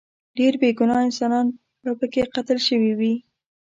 ډیر بې ګناه انسانان به پکې قتل شوي وي.